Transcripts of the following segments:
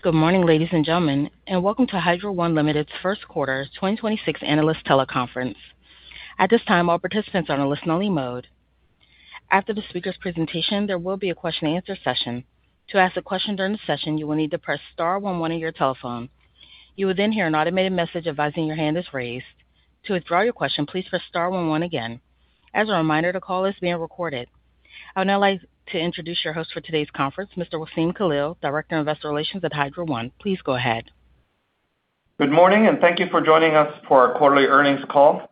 Good morning, ladies and gentlemen, and welcome to Hydro One Limited's first quarter 2026 analyst teleconference. I would now like to introduce your host for today's conference, Mr. Wassem Khalil, Director of Investor Relations at Hydro One. Please go ahead. Good morning, thank you for joining us for our quarterly earnings call.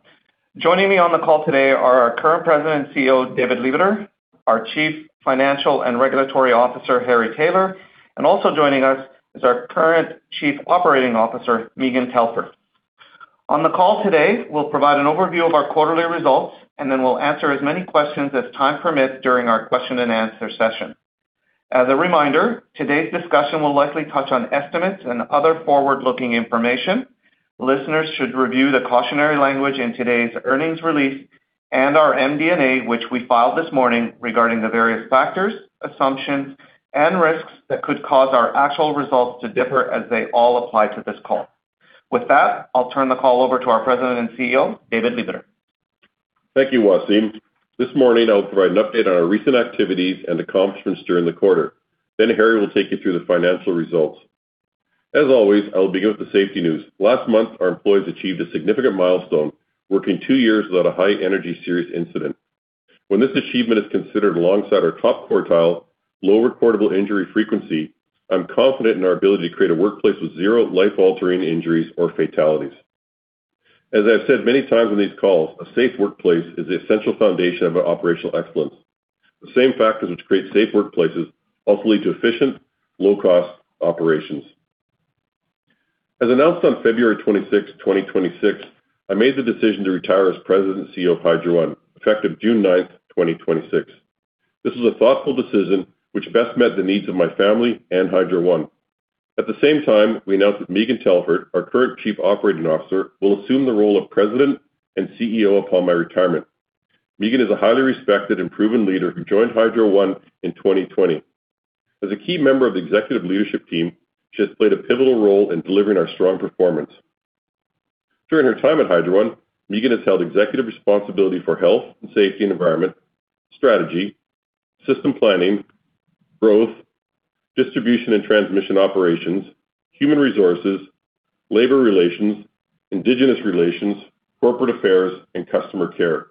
Joining me on the call today are our current President and CEO, David Lebeter, our Chief Financial and Regulatory Officer, Harry Taylor, and also joining us is our current Chief Operating Officer, Megan Telford. On the call today, we'll provide an overview of our quarterly results, and then we'll answer as many questions as time permits during our question and answer session. As a reminder, today's discussion will likely touch on estimates and other forward-looking information. Listeners should review the cautionary language in today's earnings release and our MD&A, which we filed this morning, regarding the various factors, assumptions and risks that could cause our actual results to differ as they all apply to this call. With that, I'll turn the call over to our President and CEO, David Lebeter. Thank you, Wassem. This morning, I'll provide an update on our recent activities and accomplishments during the quarter. Harry will take you through the financial results. As always, I'll begin with the safety news. Last month, our employees achieved a significant milestone, working two years without a high-energy serious incident. When this achievement is considered alongside our top-quartile low reportable injury frequency, I'm confident in our ability to create a workplace with zero life-altering injuries or fatalities. As I've said many times on these calls, a safe workplace is the essential foundation of our operational excellence. The same factors which create safe workplaces also lead to efficient, low-cost operations. As announced on February 26th, 2026, I made the decision to retire as President and CEO of Hydro One, effective June 9th, 2026. This was a thoughtful decision which best met the needs of my family and Hydro One. At the same time, we announced that Megan Telford, our current Chief Operating Officer, will assume the role of President and CEO upon my retirement. Megan is a highly respected and proven leader who joined Hydro One in 2020. As a key member of the executive leadership team, she has played a pivotal role in delivering our strong performance. During her time at Hydro One, Megan has held executive responsibility for health and safety and environment, strategy, system planning, growth, distribution and transmission operations, human resources, labor relations, Indigenous relations, corporate affairs, and customer care.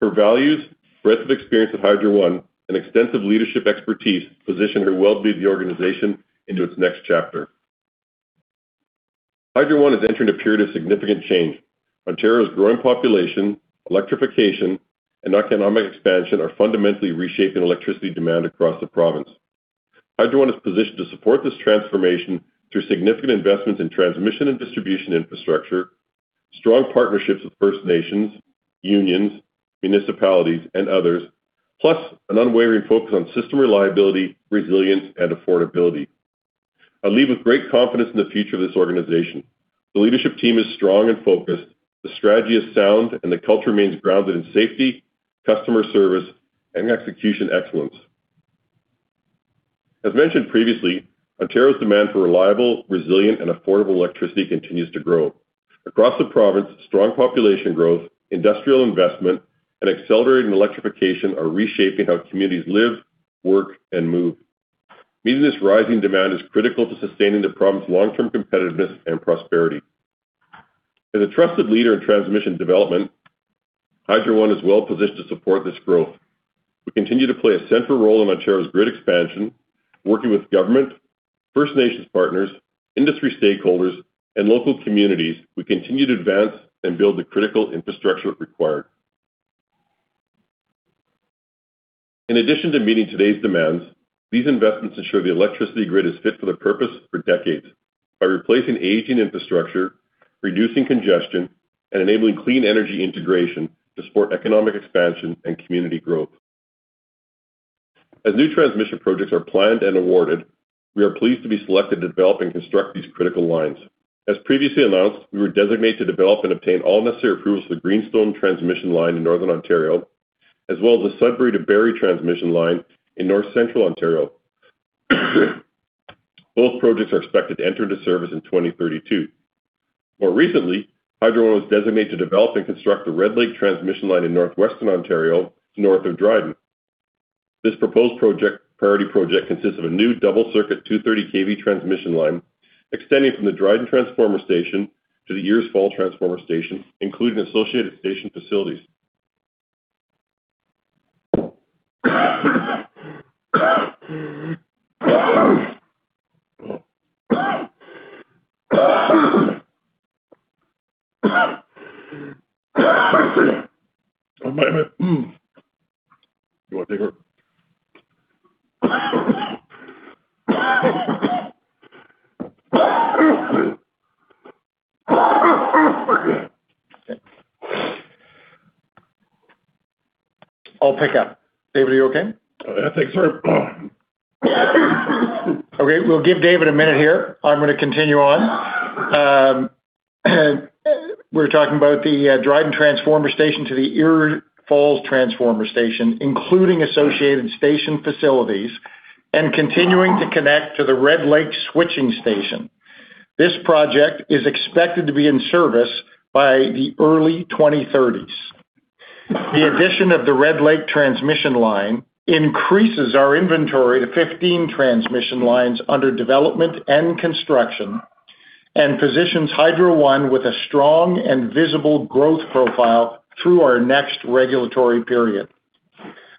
Her values, breadth of experience at Hydro One, and extensive leadership expertise position her well to lead the organization into its next chapter. Hydro One is entering a period of significant change. Ontario's growing population, electrification, and economic expansion are fundamentally reshaping electricity demand across the province. Hydro One is positioned to support this transformation through significant investments in transmission and distribution infrastructure, strong partnerships with First Nations, unions, municipalities, and others, plus an unwavering focus on system reliability, resilience, and affordability. I leave with great confidence in the future of this organization. The leadership team is strong and focused, the strategy is sound, and the culture remains grounded in safety, customer service, and execution excellence. As mentioned previously, Ontario's demand for reliable, resilient, and affordable electricity continues to grow. Across the province, strong population growth, industrial investment, and accelerating electrification are reshaping how communities live, work, and move. Meeting this rising demand is critical to sustaining the province's long-term competitiveness and prosperity. As a trusted leader in transmission development, Hydro One is well positioned to support this growth. We continue to play a central role in Ontario's grid expansion. Working with government, First Nations partners, industry stakeholders, and local communities, we continue to advance and build the critical infrastructure required. In addition to meeting today's demands, these investments ensure the electricity grid is fit for the purpose for decades by replacing aging infrastructure, reducing congestion, and enabling clean energy integration to support economic expansion and community growth. As new transmission projects are planned and awarded, we are pleased to be selected to develop and construct these critical lines. As previously announced, we were designated to develop and obtain all necessary approvals for the Greenstone transmission line in Northern Ontario, as well as the Sudbury to Barrie transmission line in North Central Ontario. Both projects are expected to enter into service in 2032. More recently, Hydro One was designated to develop and construct the Red Lake Transmission Line in Northwestern Ontario, North of Dryden. This priority project consists of a new double circuit 230 kV transmission line extending from the Dryden Transformer Station to the Ear Falls Transformer Station, including associated station facilities. One moment. You want to take over? I'll pick up. David, are you okay? Yeah. Thanks, Harry. Okay. We'll give David a minute here. I'm going to continue on. We're talking about the Dryden Transformer Station to the Ear Falls Transformer Station, including associated station facilities, and continuing to connect to the Red Lake Switching Station. This project is expected to be in service by the early 2030s. The addition of the Red Lake Transmission Line increases our inventory to 15 transmission lines under development and construction and positions Hydro One with a strong and visible growth profile through our next regulatory period.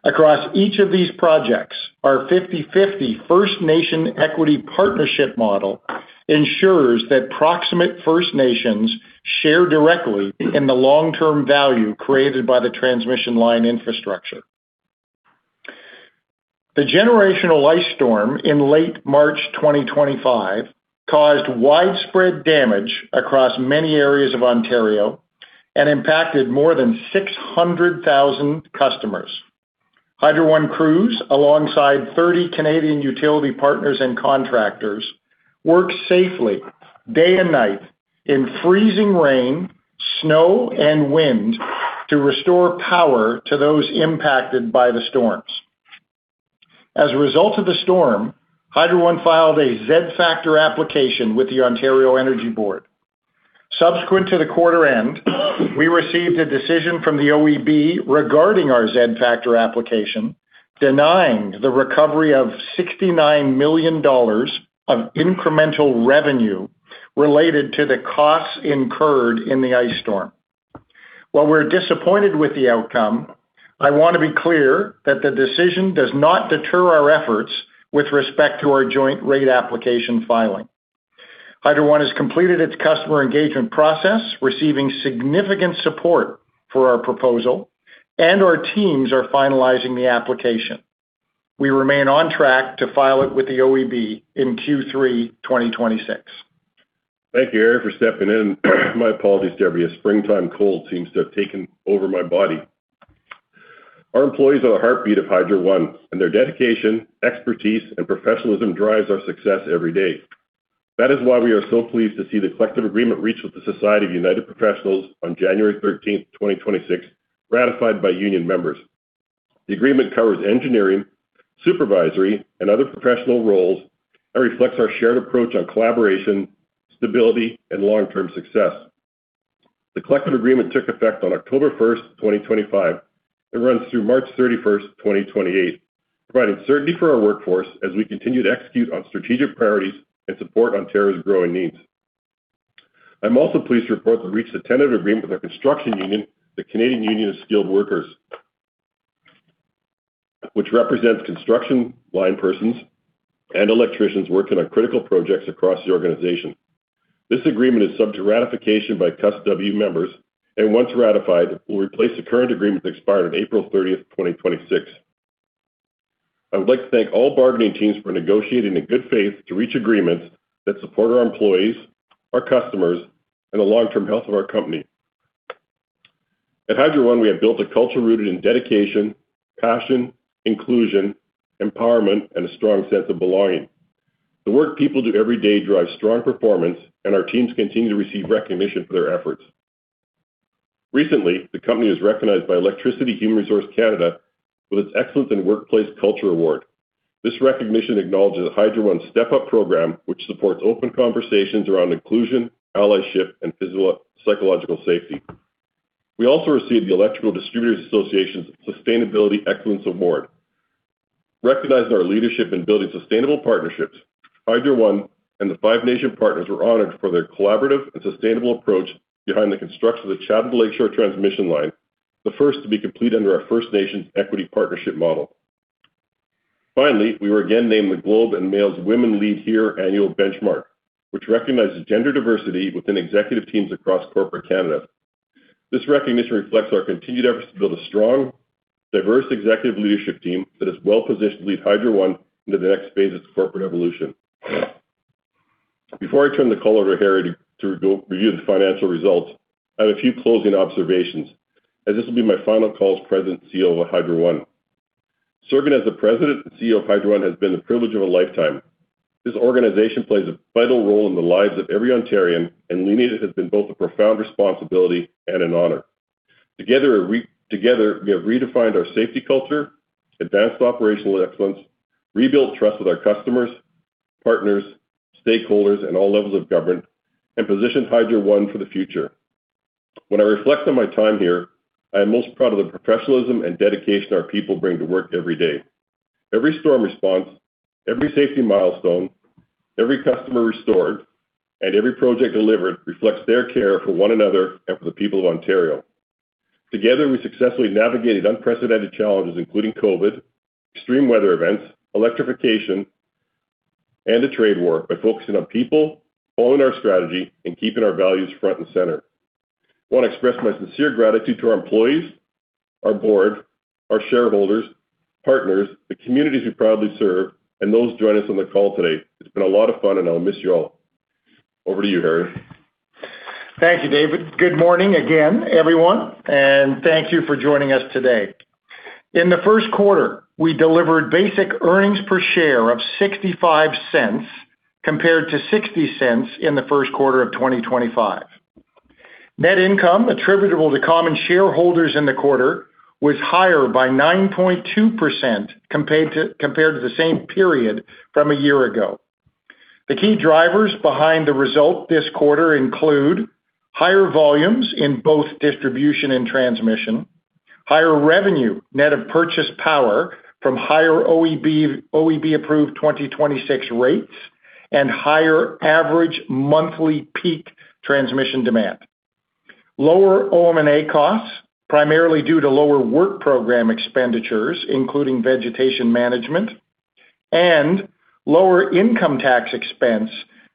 Across each of these projects, our 50/50 First Nation Equity Partnership Model ensures that proximate First Nations share directly in the long-term value created by the transmission line infrastructure. The generational ice storm in late March 2025 caused widespread damage across many areas of Ontario and impacted more than 600,000 customers. Hydro One crews, alongside 30 Canadian utility partners and contractors, worked safely day and night in freezing rain, snow, and wind to restore power to those impacted by the storms. As a result of the storm, Hydro One filed a Z-factor application with the Ontario Energy Board. Subsequent to the quarter end, we received a decision from the OEB regarding our Z-factor application denying the recovery of 69 million dollars of incremental revenue related to the costs incurred in the ice storm. While we're disappointed with the outcome, I want to be clear that the decision does not deter our efforts with respect to our Joint Rate Application filing. Hydro One has completed its customer engagement process, receiving significant support for our proposal, and our teams are finalizing the application. We remain on track to file it with the OEB in Q3 2026. Thank you, Harry, for stepping in. My apologies to everybody. A springtime cold seems to have taken over my body. Our employees are the heartbeat of Hydro One, and their dedication, expertise, and professionalism drives our success every day. That is why we are so pleased to see the collective agreement reached with the Society of United Professionals on January 13th, 2026, ratified by union members. The agreement covers engineering, supervisory, and other professional roles and reflects our shared approach on collaboration, stability, and long-term success. The collective agreement took effect on October 1st, 2025. It runs through March 31st, 2028, providing certainty for our workforce as we continue to execute on strategic priorities and support Ontario's growing needs. I'm also pleased to report that we reached a tentative agreement with our construction union, the Canadian Union of Skilled Workers, which represents construction line persons and electricians working on critical projects across the organization. This agreement is subject to ratification by CUSW members, and once ratified, will replace the current agreement that expired on April 30th, 2026. I would like to thank all bargaining teams for negotiating in good faith to reach agreements that support our employees, our customers, and the long-term health of our company. At Hydro One, we have built a culture rooted in dedication, passion, inclusion, empowerment, and a strong sense of belonging. The work people do every day drives strong performance, and our teams continue to receive recognition for their efforts. Recently, the company was recognized by Electricity Human Resources Canada with its Excellence in Workplace Culture Award. This recognition acknowledges Hydro One's Step Up program, which supports open conversations around inclusion, allyship, and physical and psychological safety. We also received the Electricity Distributors Association's Sustainability Excellence Award. Recognizing our leadership in building sustainable partnerships, Hydro One and the Five Nation partners were honored for their collaborative and sustainable approach behind the construction of the Chatham to Lakeshore transmission line, the first to be complete under our First Nation Equity Partnership Model. Finally, we were again named The Globe and Mail's Women Lead Here annual benchmark, which recognizes gender diversity within executive teams across corporate Canada. This recognition reflects our continued efforts to build a strong, diverse executive leadership team that is well-positioned to lead Hydro One into the next phase of its corporate evolution. Before I turn the call over to Harry to review the financial results, I have a few closing observations, as this will be my final call as President and CEO of Hydro One. Serving as the President and CEO of Hydro One has been the privilege of a lifetime. This organization plays a vital role in the lives of every Ontarian, and leading it has been both a profound responsibility and an honor. Together, we have redefined our safety culture, advanced operational excellence, rebuilt trust with our customers, partners, stakeholders at all levels of government, and positioned Hydro One for the future. When I reflect on my time here, I am most proud of the professionalism and dedication our people bring to work every day. Every storm response, every safety milestone, every customer restored, and every project delivered reflects their care for one another and for the people of Ontario. Together, we successfully navigated unprecedented challenges, including COVID, extreme weather events, electrification, and a trade war by focusing on people, following our strategy, and keeping our values front and center. I want to express my sincere gratitude to our employees, our board, our shareholders, partners, the communities we proudly serve, and those who join us on the call today. It's been a lot of fun, and I'll miss you all. Over to you, Harry. Thank you, David. Good morning again, everyone, and thank you for joining us today. In the Q1, we delivered basic earnings per share of 0.65 compared to 0.60 in the Q1 of 2025. Net income attributable to common shareholders in the quarter was higher by 9.2% compared to the same period from a year ago. The key drivers behind the result this quarter include higher volumes in both distribution and transmission, higher revenue net of purchase power from higher OEB-approved 2026 rates, and higher average monthly peak transmission demand. Lower OM&A costs, primarily due to lower work program expenditures, including vegetation management and lower income tax expense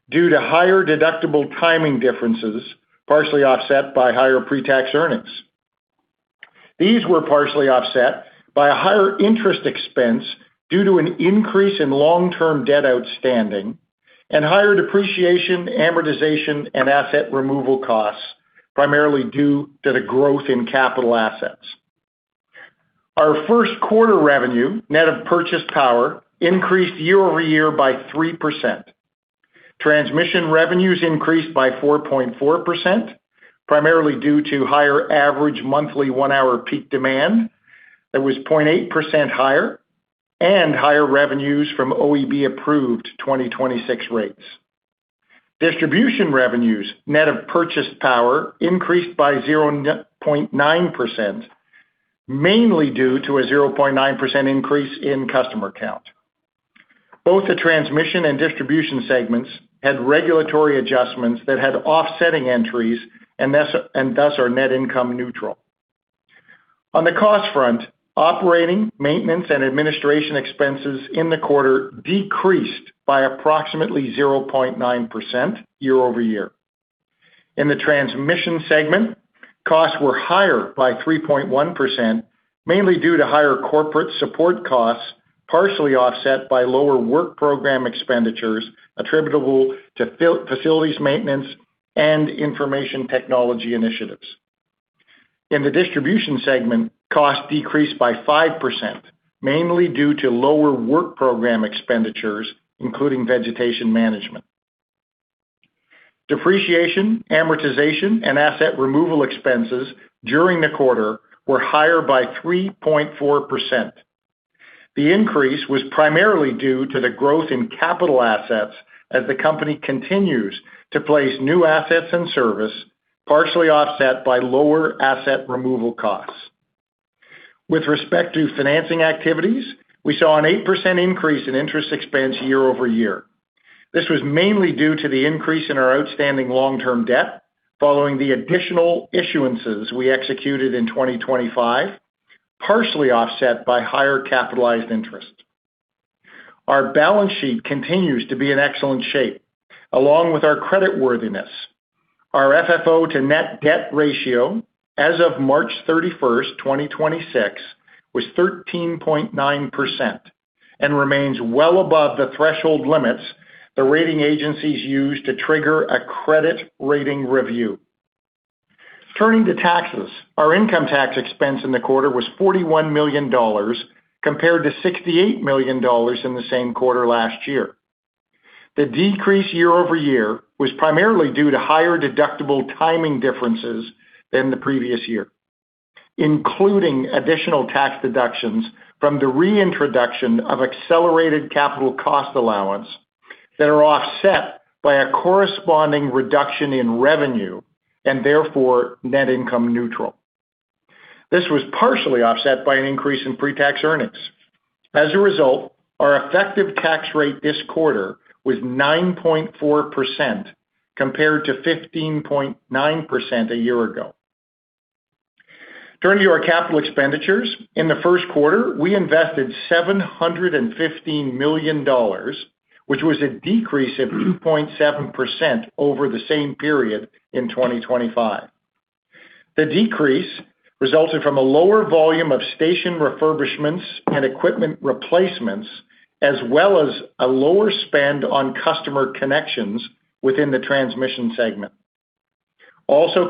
due to higher deductible timing differences, partially offset by higher pre-tax earnings. These were partially offset by a higher interest expense due to an increase in long-term debt outstanding and higher depreciation, amortization, and asset removal costs, primarily due to the growth in capital assets. Our Q1 revenue, net of purchase power, increased year-over-year by 3%. Transmission revenues increased by 4.4%, primarily due to higher average monthly one-hour peak demand that was 0.8% higher and higher revenues from OEB-approved 2026 rates. Distribution revenues, net of purchase power, increased by 0.9%, mainly due to a 0.9% increase in customer count. Both the transmission and distribution segments had regulatory adjustments that had offsetting entries and thus are net income neutral. On the cost front, operating, maintenance, and administration expenses in the quarter decreased by approximately 0.9% year-over-year. In the transmission segment, costs were higher by 3.1%, mainly due to higher corporate support costs, partially offset by lower work program expenditures attributable to facilities maintenance and information technology initiatives. In the distribution segment, costs decreased by 5%, mainly due to lower work program expenditures, including vegetation management. Depreciation, amortization, and asset removal expenses during the quarter were higher by 3.4%. The increase was primarily due to the growth in capital assets as the company continues to place new assets in service, partially offset by lower asset removal costs. With respect to financing activities, we saw an 8% increase in interest expense year-over-year. This was mainly due to the increase in our outstanding long-term debt following the additional issuances we executed in 2025, partially offset by higher capitalized interest. Our balance sheet continues to be in excellent shape, along with our creditworthiness. Our FFO to net debt ratio as of March 31st, 2026, was 13.9% and remains well above the threshold limits the rating agencies use to trigger a credit rating review. Turning to taxes, our income tax expense in the quarter was 41 million dollars compared to 68 million dollars in the same quarter last year. The decrease year-over-year was primarily due to higher deductible timing differences than the previous year, including additional tax deductions from the reintroduction of accelerated capital cost allowance that are offset by a corresponding reduction in revenue and therefore net income neutral. This was partially offset by an increase in pre-tax earnings. As a result, our effective tax rate this quarter was 9.4% compared to 15.9% a year ago. Turning to our capital expenditures, in the Q1, we invested 715 million dollars, which was a decrease of 2.7% over the same period in 2025. The decrease resulted from a lower volume of station refurbishments and equipment replacements, as well as a lower spend on customer connections within the transmission segment.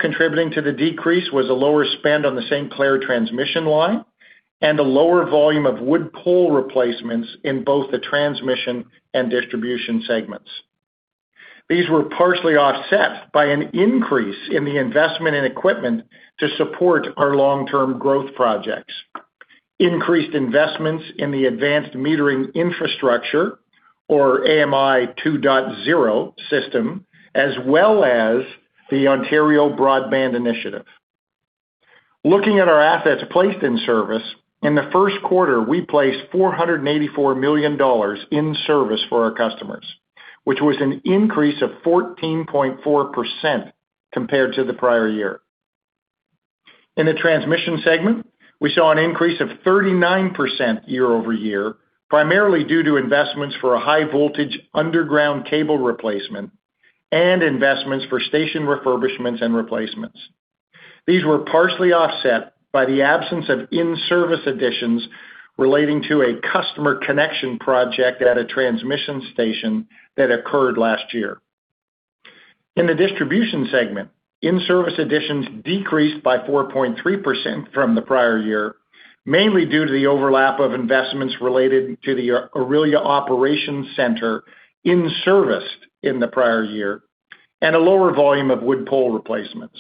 Contributing to the decrease was a lower spend on the St. Clair transmission line and a lower volume of wood pole replacements in both the transmission and distribution segments. These were partially offset by an increase in the investment in equipment to support our long-term growth projects, increased investments in the advanced metering infrastructure or AMI 2.0 system, as well as the Ontario Broadband Initiative. Looking at our assets placed in service, in the Q1, we placed 484 million dollars in service for our customers, which was an increase of 14.4% compared to the prior year. In the transmission segment, we saw an increase of 39% year-over-year, primarily due to investments for a high voltage underground cable replacement and investments for station refurbishments and replacements. These were partially offset by the absence of in-service additions relating to a customer connection project at a transmission station that occurred last year. In the distribution segment, in-service additions decreased by 4.3% from the prior year, mainly due to the overlap of investments related to the Orillia operations center in service in the prior year, and a lower volume of wood pole replacements.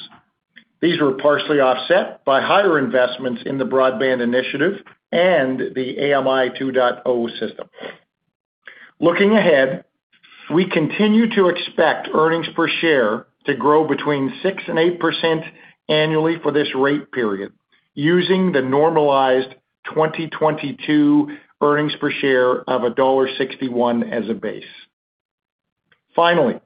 These were partially offset by higher investments in the broadband initiative and the AMI 2.0 system. Looking ahead, we continue to expect earnings per share to grow between 6% and 8% annually for this rate period using the normalized 2022 earnings per share of dollar 1.61 as a base. Finally,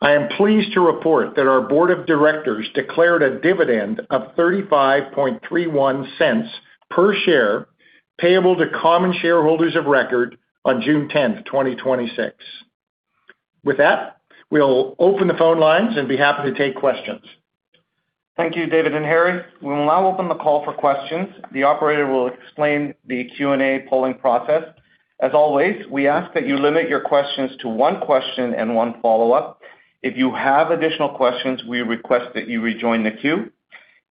I am pleased to report that our board of directors declared a dividend of 0.3531 per share payable to common shareholders of record on June 10, 2026. With that, we'll open the phone lines and be happy to take questions. Thank you, David and Harry. We will now open the call for questions. The operator will explain the Q&A polling process. As always, we ask that you limit your questions to 1 question and 1 follow-up. If you have additional questions, we request that you rejoin the queue.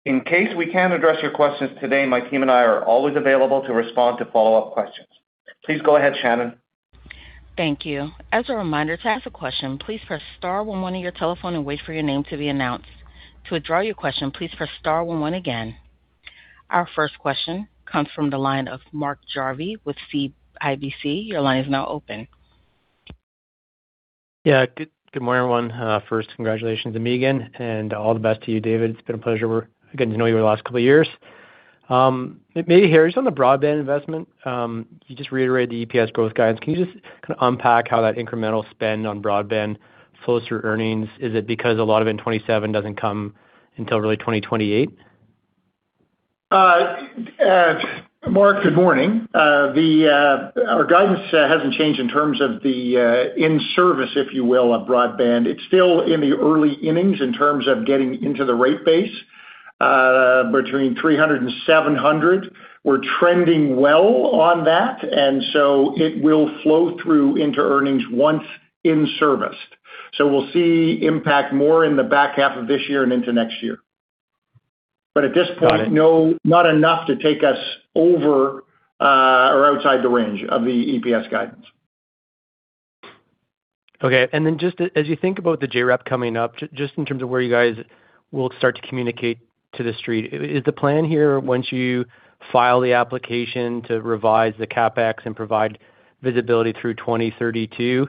In case we can't address your questions today, my team and I are always available to respond to follow-up questions. Please go ahead, Shannon. Thank you. As a reminder, to ask a question, please press star one on your telephone and wait for your name to be announced. To withdraw your question, please press star one again. Our first question comes from the line of Mark Jarvi with CIBC. Your line is now open. Good, good morning, everyone. First, congratulations to Megan and all the best to you, David. It's been a pleasure getting to know you over the last couple of years. Maybe, Harry, just on the broadband investment, you just reiterated the EPS growth guidance. Can you just kinda unpack how that incremental spend on broadband flows through earnings? Is it because a lot of it in 2027 doesn't come until really 2028? Mark, good morning. Our guidance hasn't changed in terms of the in-service, if you will, of broadband. It's still in the early innings in terms of getting into the rate base, between 300 and 700. We're trending well on that, it will flow through into earnings once in service. We'll see impact more in the back half of this year and into next year. At this point. Got it. No, not enough to take us over, or outside the range of the EPS guidance. Okay. Then just as you think about the JRAP coming up, just in terms of where you guys will start to communicate to the street, is the plan here once you file the application to revise the CapEx and provide visibility through 2032?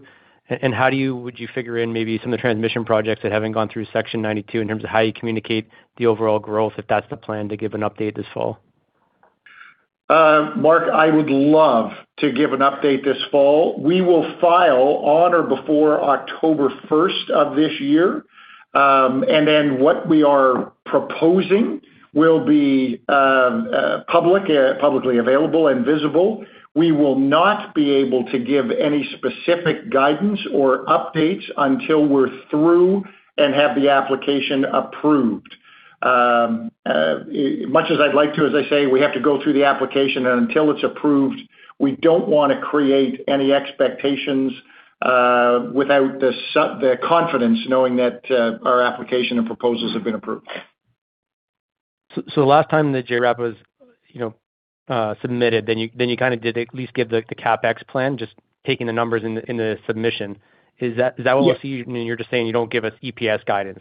Would you figure in maybe some of the transmission projects that haven't gone through Section 92 in terms of how you communicate the overall growth if that's the plan to give an update this fall? Mark, I would love to give an update this fall. We will file on or before October first of this year. What we are proposing will be publicly available and visible. We will not be able to give any specific guidance or updates until we're through and have the application approved. Much as I'd like to, as I say, we have to go through the application. Until it's approved, we don't wanna create any expectations without the confidence knowing that our application and proposals have been approved. The last time the JRAP was, you know, submitted, then you kind of did at least give the CapEx plan, just taking the numbers in the submission. Is that what we'll see? Yes. You're just saying you don't give us EPS guidance.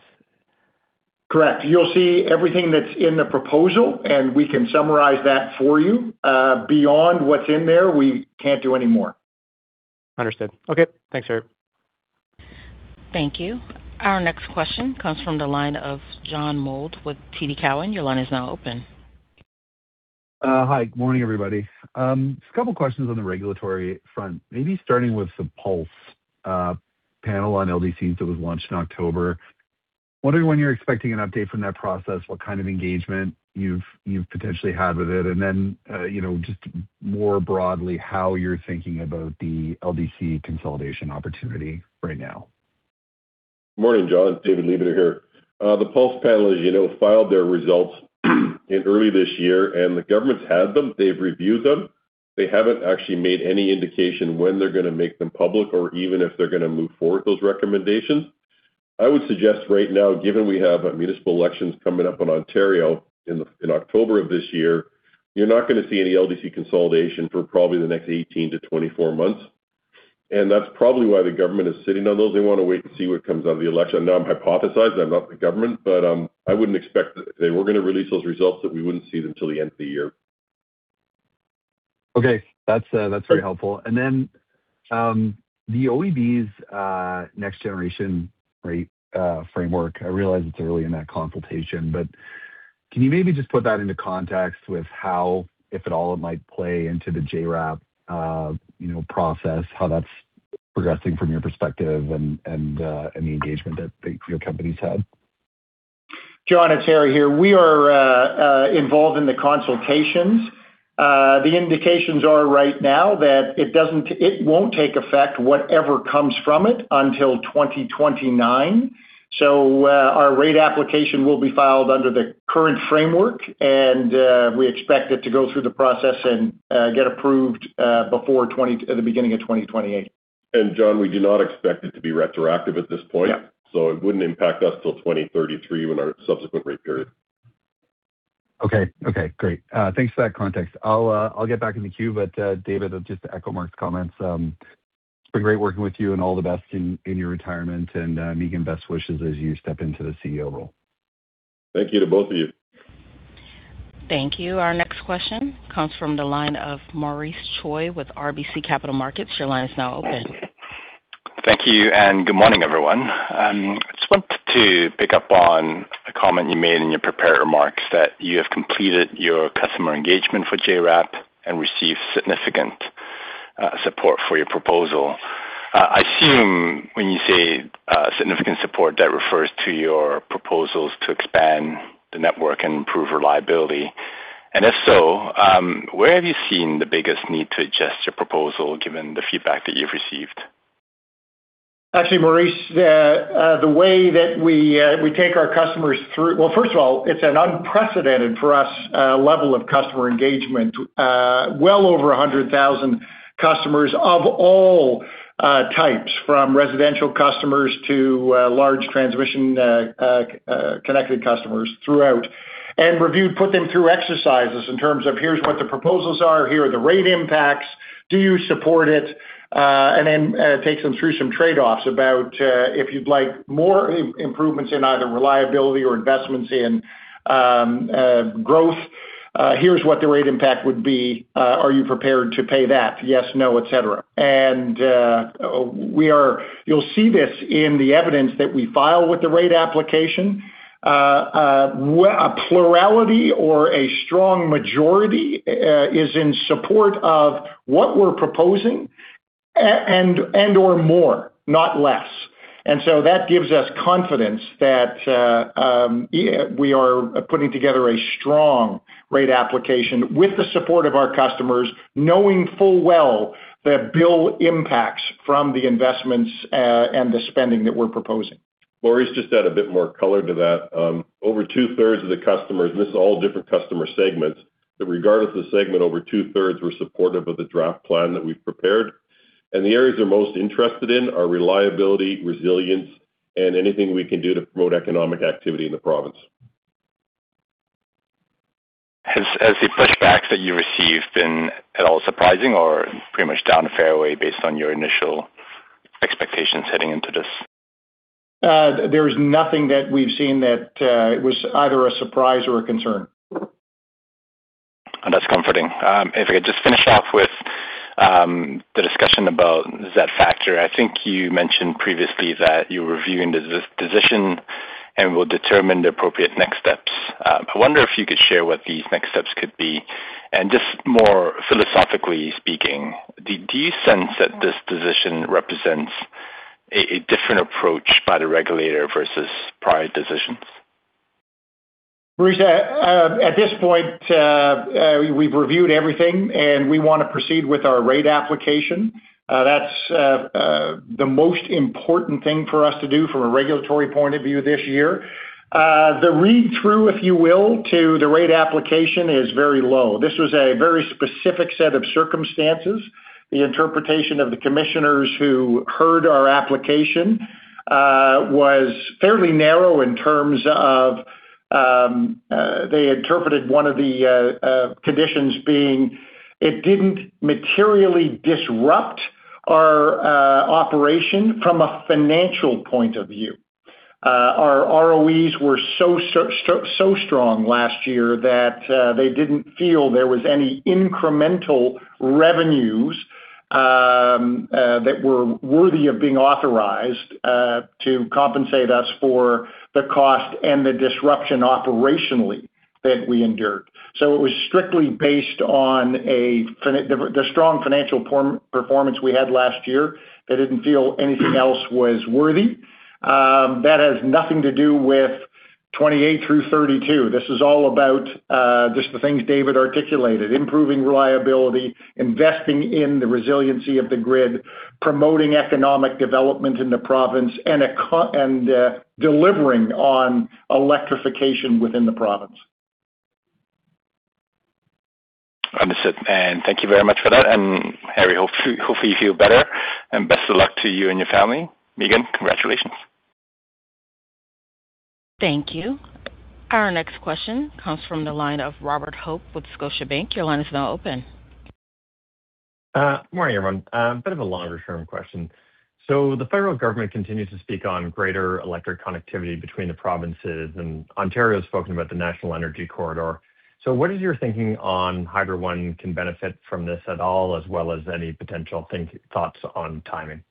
Correct. You'll see everything that's in the proposal, and we can summarize that for you. Beyond what's in there, we can't do any more. Understood. Okay. Thanks, Harry. Thank you. Our next question comes from the line of John Mould with TD Cowen. Your line is now open. Hi. Good morning, everybody. Just a couple questions on the regulatory front, maybe starting with the PULSE panel on LDCs that was launched in October. Wondering when you're expecting an update from that process, what kind of engagement you've potentially had with it, and then, you know, just more broadly, how you're thinking about the LDC consolidation opportunity right now. Morning, John. David Lebeter here. The PULSE panel, as you know, filed their results in early this year, and the government's had them. They've reviewed them. They haven't actually made any indication when they're gonna make them public or even if they're gonna move forward with those recommendations. I would suggest right now, given we have municipal elections coming up in Ontario in October of this year, you're not gonna see any LDC consolidation for probably the next 18-24 months. That's probably why the government is sitting on those. They wanna wait to see what comes out of the election. I'm hypothesizing. I'm not the government, but I wouldn't expect if they were gonna release those results that we wouldn't see them till the end of the year. Okay. That's very helpful. The OEB's next generation rate framework, I realize it's early in that consultation, but can you maybe just put that into context with how, if at all, it might play into the JRAP, you know, process, how that's progressing from your perspective and the engagement that your company's had? John, it's Harry here. We are involved in the consultations. The indications are right now that it won't take effect whatever comes from it until 2029. Our rate application will be filed under the current framework, and we expect it to go through the process and get approved before the beginning of 2028. John, we do not expect it to be retroactive at this point. It wouldn't impact us till 2033 when our subsequent rate period. Okay. Okay, great. Thanks for that context. I'll get back in the queue, but David, just to echo Mark's comments, it's been great working with you and all the best in your retirement. Megan, best wishes as you step into the CEO role. Thank you to both of you. Thank you. Our next question comes from the line of Maurice Choy with RBC Capital Markets. Your line is now open. Thank you and good morning, everyone. Just wanted to pick up on a comment you made in your prepared remarks that you have completed your customer engagement for JRAP and received significant support for your proposal. I assume when you say significant support, that refers to your proposals to expand the network and improve reliability. And if so, where have you seen the biggest need to adjust your proposal given the feedback that you've received? Actually, Maurice, the way that we take our customers through. Well, first of all, it's an unprecedented, for us, level of customer engagement. Well over 100,000 customers of all types, from residential customers to large transmission connected customers throughout. Reviewed, put them through exercises in terms of here's what the proposals are, here are the rate impacts. Do you support it? Takes them through some trade-offs about if you'd like more improvements in either reliability or investments in growth, here's what the rate impact would be. Are you prepared to pay that? Yes, no, et cetera. You'll see this in the evidence that we file with the rate application. A plurality or a strong majority is in support of what we're proposing and/or more, not less. That gives us confidence that we are putting together a strong rate application with the support of our customers, knowing full well the bill impacts from the investments, and the spending that we're proposing. Maurice, just to add a bit more color to that. Over two-thirds of the customers, and this is all different customer segments, that regardless of the segment, over two-thirds were supportive of the draft plan that we've prepared. The areas they're most interested in are reliability, resilience, and anything we can do to promote economic activity in the province. Has the pushback that you received been at all surprising or pretty much down the fairway based on your initial expectations heading into this? There is nothing that we've seen that was either a surprise or a concern. That's comforting. If we could just finish off with the discussion about Z-factor. I think you mentioned previously that you're reviewing the decision and will determine the appropriate next steps. I wonder if you could share what these next steps could be. Just more philosophically speaking, do you sense that this decision represents a different approach by the regulator versus prior decisions? Maurice, at this point, we've reviewed everything, and we wanna proceed with our rate application. That's the most important thing for us to do from a regulatory point of view this year. The read-through, if you will, to the rate application is very low. This was a very specific set of circumstances. The interpretation of the commissioners who heard our application was fairly narrow in terms of they interpreted one of the conditions being it didn't materially disrupt our operation from a financial point of view. Our ROEs were so strong last year that they didn't feel there was any incremental revenues that were worthy of being authorized to compensate us for the cost and the disruption operationally that we endured. It was strictly based on the strong financial performance we had last year. They didn't feel anything else was worthy. That has nothing to do with 28 through 32. This is all about just the things David articulated: improving reliability, investing in the resiliency of the grid, promoting economic development in the province, and delivering on electrification within the province. Understood. Thank you very much for that. Harry, hopefully you feel better. Best of luck to you and your family. Megan, congratulations. Thank you. Our next question comes from the line of Robert Hope with Scotiabank. Your line is now open. Good morning, everyone. A bit of a longer-term question. The federal government continues to speak on greater electric connectivity between the provinces, and Ontario has spoken about the National Energy Corridor. What is your thinking on Hydro One can benefit from this at all, as well as any potential thoughts on timing?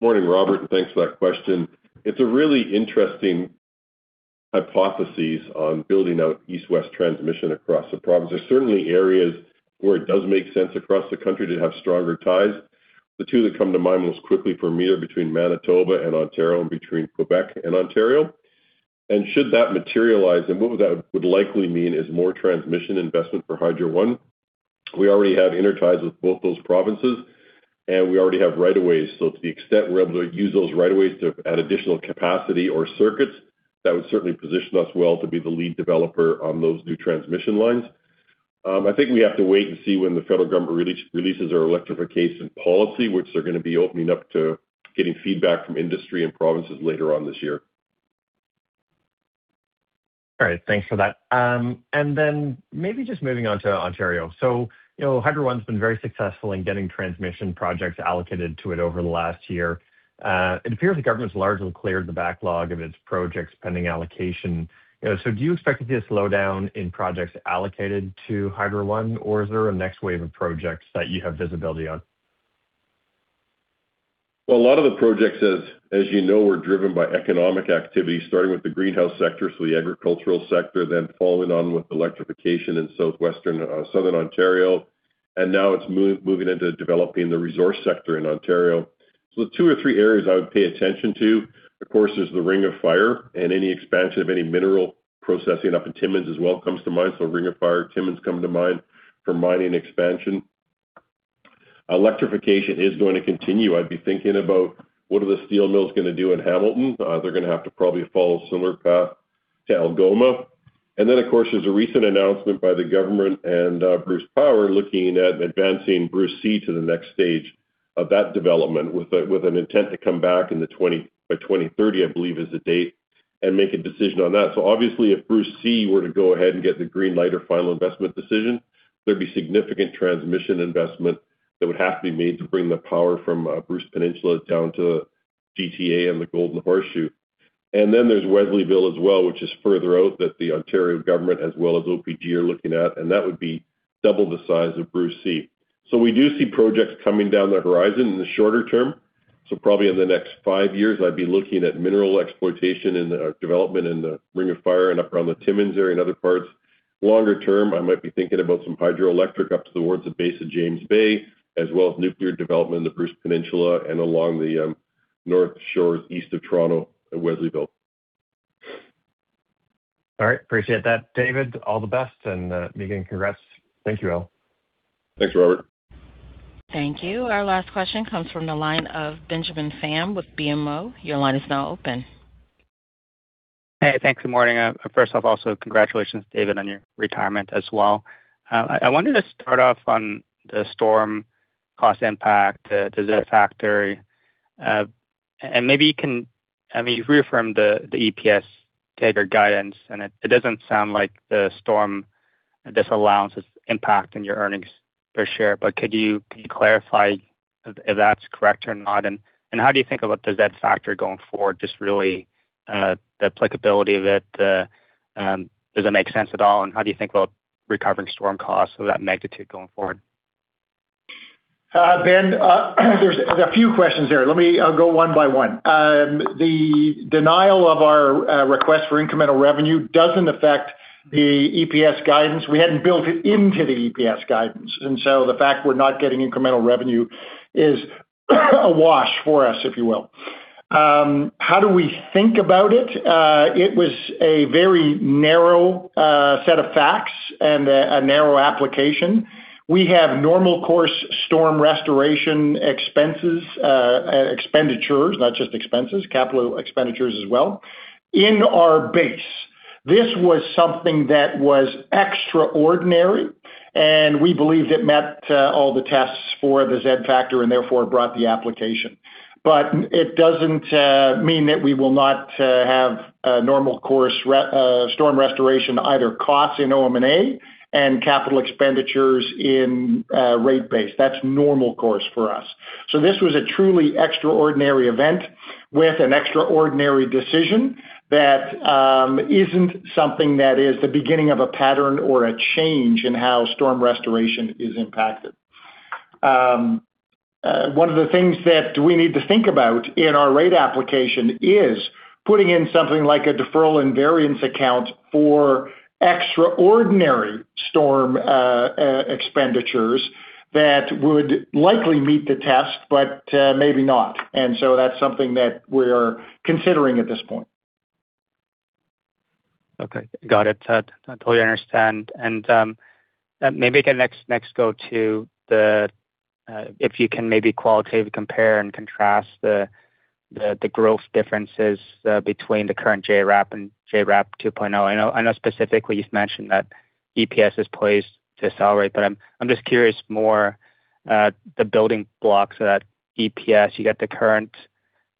Morning, Robert. Thanks for that question. It's a really interesting hypothesis on building out East-West transmission across the province. There's certainly areas where it does make sense across the country to have stronger ties. The two that come to mind most quickly for me are between Manitoba and Ontario and between Quebec and Ontario. Should that materialize, and what that would likely mean is more transmission investment for Hydro One. We already have interties with both those provinces, and we already have right of ways. To the extent we're able to use those right of ways to add additional capacity or circuits, that would certainly position us well to be the lead developer on those new transmission lines. I think we have to wait and see when the federal government releases our electrification policy, which they're gonna be opening up to getting feedback from industry and provinces later on this year. All right. Thanks for that. Maybe just moving on to Ontario. You know, Hydro One's been very successful in getting transmission projects allocated to it over the last year. It appears the government's largely cleared the backlog of its projects pending allocation. You know, do you expect to see a slowdown in projects allocated to Hydro One, or is there a next wave of projects that you have visibility on? A lot of the projects as you know, were driven by economic activity, starting with the greenhouse sector, so the agricultural sector, following on with electrification in southwestern, southern Ontario. Now it's moving into developing the resource sector in Ontario. The two or three areas I would pay attention to, of course, there's the Ring of Fire and any expansion of any mineral processing up in Timmins as well comes to mind. Ring of Fire, Timmins come to mind for mining expansion. Electrification is going to continue. I'd be thinking about what are the steel mills gonna do in Hamilton. They're gonna have to probably follow a similar path to Algoma. Of course, there's a recent announcement by the government and Bruce Power looking at advancing Bruce C to the next stage of that development with an intent to come back by 2030, I believe is the date, and make a decision on that. Obviously, if Bruce C were to go ahead and get the green light or final investment decision, there'd be significant transmission investment that would have to be made to bring the power from Bruce Peninsula down to GTA and the Golden Horseshoe. There's Wesleyville as well, which is further out that the Ontario government as well as OPG are looking at, and that would be double the size of Bruce C. We do see projects coming down the horizon in the shorter term. Probably in the next five years, I'd be looking at mineral exploitation and development in the Ring of Fire and up around the Timmins area and other parts. Longer term, I might be thinking about some hydroelectric up towards the base of James Bay, as well as nuclear development in the Bruce Peninsula and along the north shores east of Toronto and Wesleyville. All right. Appreciate that, David. All the best and meeting congrats. Thank you all. Thanks, Robert. Thank you. Our last question comes from the line of Benjamin Pham with BMO. Your line is now open. Hey, thanks. Good morning. First off, also congratulations, David, on your retirement as well. I wanted to start off on the storm cost impact, the Z-factor. Maybe you can—I mean, you've reaffirmed the EPS guidance, and it doesn't sound like the storm disallowance is impacting your earnings per share. Could you clarify if that's correct or not? How do you think about the Z-factor going forward, just really the applicability of it? Does it make sense at all? How do you think about recovering storm costs of that magnitude going forward? Benjamin, there's a few questions there. Let me go one by one. The denial of our request for incremental revenue doesn't affect the EPS guidance. We hadn't built it into the EPS guidance. The fact we're not getting incremental revenue is a wash for us, if you will. How do we think about it? It was a very narrow set of facts and a narrow application. We have normal course storm restoration expenses, expenditures, not just expenses, capital expenditures as well in our base. This was something that was extraordinary, and we believed it met all the tests for the Z-factor and therefore brought the application. It doesn't mean that we will not have a normal course storm restoration, either costs in OM&A and capital expenditures in rate base. That's normal course for us. This was a truly extraordinary event with an extraordinary decision that isn't something that is the beginning of a pattern or a change in how storm restoration is impacted. One of the things that we need to think about in our rate application is putting in something like a deferral and variance account for extraordinary storm expenditures that would likely meet the test, but maybe not. That's something that we're considering at this point. Okay. Got it. I totally understand. Maybe I can next go to the if you can maybe qualitatively compare and contrast the growth differences between the current JRAP and JRAP 2.0. I know specifically you've mentioned that EPS is poised to accelerate, but I'm just curious more the building blocks of that EPS. You got the current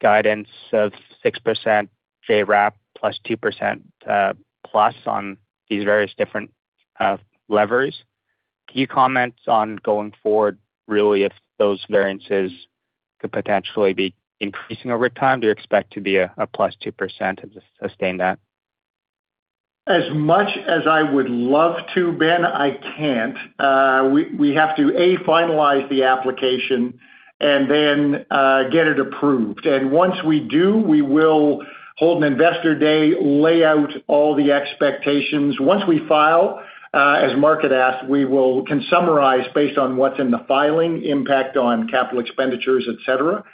guidance of 6% JRAP plus, 2%+ on these various different levers. Can you comment on going forward, really if those variances could potentially be increasing over time? Do you expect to be a +2% and just sustain that? As much as I would love to, Benjamin, I can't. We have to, A, finalize the application and then get it approved. Once we do, we will hold an investor day, lay out all the expectations. Once we file, as Mark had asked, we can summarize based on what's in the filing, impact on capital expenditures, et cetera.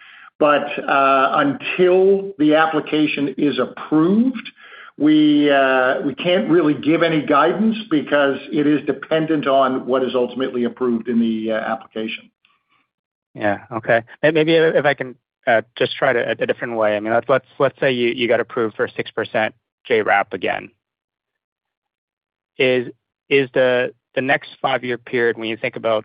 Until the application is approved, we can't really give any guidance because it is dependent on what is ultimately approved in the application. Yeah. Okay. Maybe if I can just try it a different way. I mean, let's say you got approved for 6% JRAP again. Is the next five-year period when you think about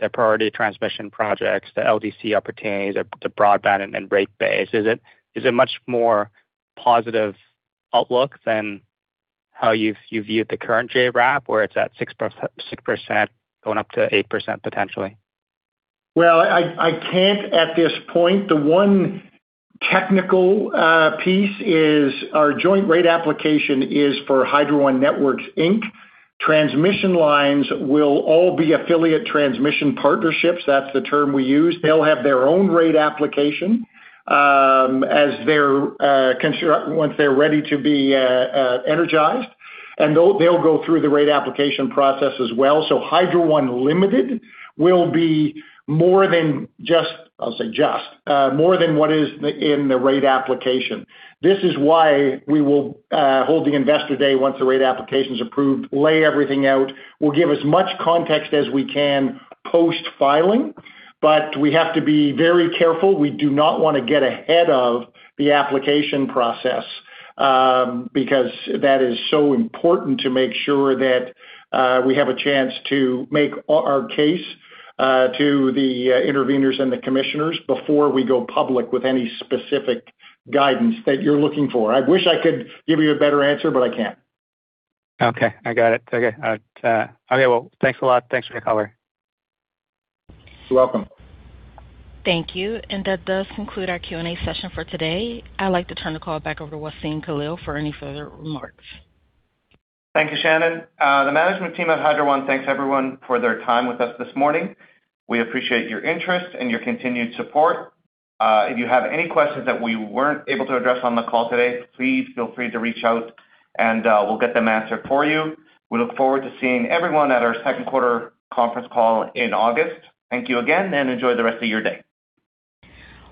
the priority transmission projects, the LDC opportunities, the broadband and then rate base, is it much more positive outlook than how you viewed the current JRAP, where it's at 6% going up to 8% potentially? Well, I can't at this point. The one technical piece is our Joint Rate Application is for Hydro One Networks Inc. Transmission lines will all be affiliate transmission partnerships. That's the term we use. They'll have their own rate application as they're ready to be energized, they'll go through the rate application process as well. Hydro One Limited will be more than just I'll say just more than what is in the rate application. This is why we will hold the investor day once the rate application is approved, lay everything out. We'll give as much context as we can post-filing, we have to be very careful. We do not want to get ahead of the application process, because that is so important to make sure that we have a chance to make our case to the interveners and the commissioners before we go public with any specific guidance that you're looking for. I wish I could give you a better answer, but I can't. Okay. I got it. Okay. Okay. Well, thanks a lot. Thanks for the color. You're welcome. Thank you. That does conclude our Q&A session for today. I'd like to turn the call back over Wassem Khalil for any further remarks. Thank you, Shannon. The management team at Hydro One thanks everyone for their time with us this morning. We appreciate your interest and your continued support. If you have any questions that we weren't able to address on the call today, please feel free to reach out and we'll get them answered for you. We look forward to seeing everyone at our Q2 conference call in August. Thank you again, and enjoy the rest of your day.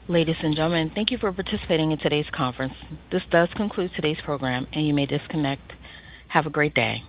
Ladies and gentlemen, thank you for participating in today's conference. This does conclude today's program, and you may disconnect. Have a great day.